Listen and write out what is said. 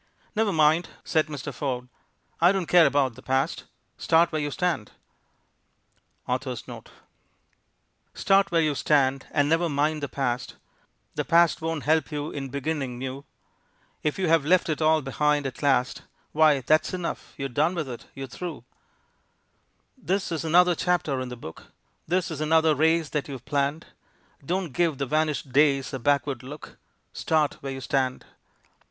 "Never mind," said Mr. Ford, "I don't care about the past. Start where you stand!" Author's note. Start where you stand and never mind the past, The past won't help you in beginning new, If you have left it all behind at last Why, that's enough, you're done with it, you're through; This is another chapter in the book, This is another race that you have planned, Don't give the vanished days a backward look, Start where you stand.